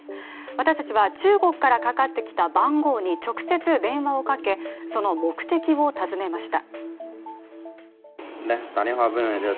私たちは中国からかかってきた番号に直接電話をかけ、その目的を尋ねました。